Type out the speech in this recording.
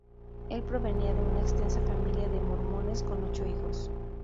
El provenía de una extensa familia de mormones con ocho hijos.